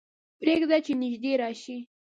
پرېږده چې نږدې راشي.